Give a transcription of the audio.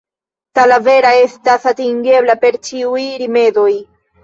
Talavera estas atingebla per ĉiuj rimedoj.